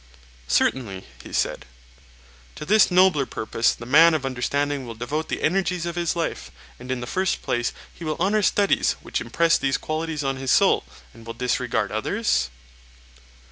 Certainly, he said. To this nobler purpose the man of understanding will devote the energies of his life. And in the first place, he will honour studies which impress these qualities on his soul and will disregard others?